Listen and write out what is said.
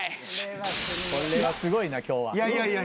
これはすごいな今日は。